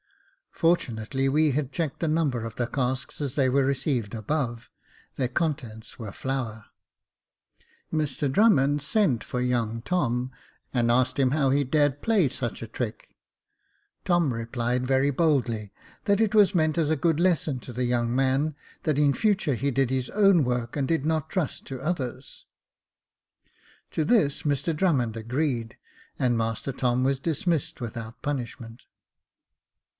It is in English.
Fortunately, we had checked the number of the casks as they were received above — their contents were flour. Mr Drummond sent for young Tom, and asked him how he dared play such a trick. Tom repHed very boldly, " that it was meant as a good lesson to the young man, that in Jacob Faithful 151 future he did his own work, and did not trust to others." To this Mr Drnmmond agreed, and Master Tom was dismissed without punishment.